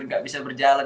gak bisa berjalan